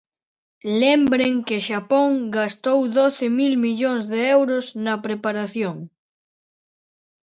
Lembren que Xapón gastou doce mil millóns de euros na preparación.